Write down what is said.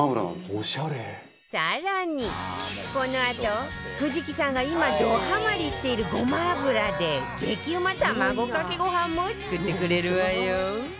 更にこのあと藤木さんが今ドハマりしているごま油で激うま卵かけご飯も作ってくれるわよ